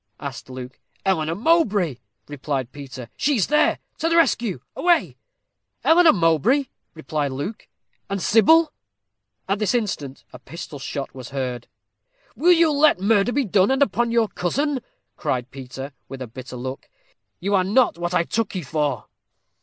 asked Luke. "Eleanor Mowbray," replied Peter. "She is there. To the rescue away." "Eleanor Mowbray!" echoed Luke "and Sybil? " At this instant a pistol shot was heard. "Will you let murder be done, and upon your cousin?" cried Peter, with a bitter look. "You are not what I took you for."